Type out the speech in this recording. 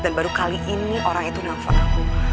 dan baru kali ini orang itu nelfon aku